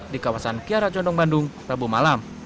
di kawasan kiara condong bandung rabu malam